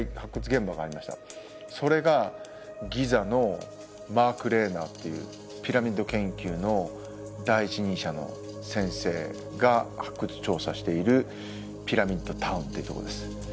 それがギザのマーク・レーナーっていうピラミッド研究の第一人者の先生が発掘調査しているピラミッド・タウンっていうとこです。